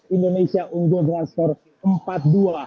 indonesia untuk berlangsung empat dua